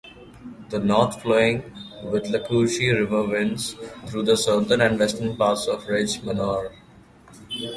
The north-flowing Withlacoochee River winds through the southern and western parts of Ridge Manor.